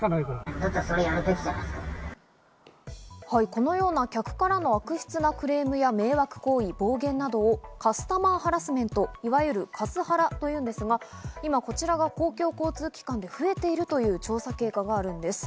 このような、客からの悪質なクレームや迷惑行為、暴言などをカスタマーハラスメント、いわゆるカスハラというんですが今こちらが公共交通機関で増えているという調査結果があるんです。